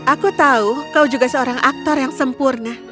aku tahu kau juga seorang aktor yang sempurna